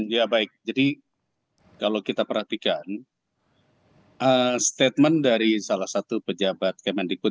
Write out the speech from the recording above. ya baik jadi kalau kita perhatikan statement dari salah satu pejabat kemendikbud